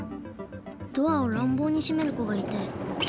ドアをらんぼうにしめる子がいて。